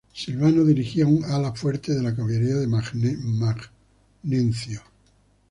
Silvano dirigía un ala fuerte de la caballería de Magnencio.